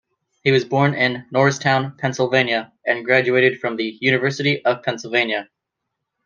He was born in Norristown, Pennsylvania, and graduated from the University of Pennsylvania.